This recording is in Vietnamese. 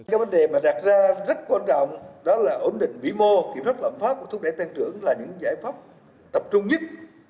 các vấn đề mà đạt ra rất quan trọng đó là ổn định vĩ mô kiểm soát lập pháp và thúc đẩy tăng trưởng là những giải pháp tập trung nhất